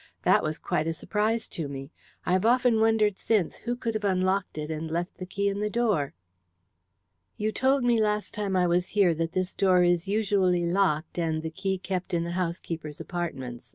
That was quite a surprise to me. I have often wondered since who could have unlocked it and left the key in the door." "You told me last time I was here that this door is usually locked and the key kept in the housekeeper's apartments.